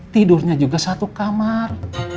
tidurnya juga satu kamar